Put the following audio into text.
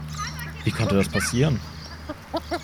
Wie konnte das passieren?